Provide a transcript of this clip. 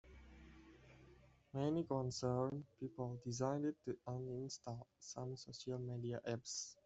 Many concerned people decided to uninstall some social media apps.